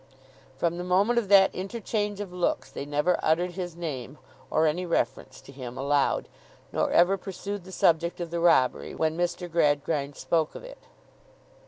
From the moment of that interchange of looks, they never uttered his name, or any reference to him, aloud; nor ever pursued the subject of the robbery, when Mr. Gradgrind spoke of it.